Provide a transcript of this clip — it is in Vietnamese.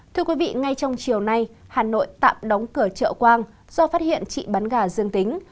thưa quý vị ngay trong chiều nay hà nội tạm đóng cửa chợ quang do phát hiện chị bán gà dương tính